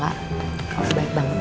kalau baik bang